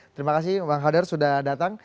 terima kasih bang hadar sudah datang